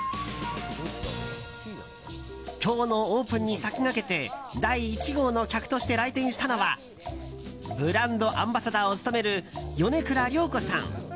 今日のオープンに先駆けて第１号の客として来店したのはブランドアンバサダーを務める米倉涼子さん。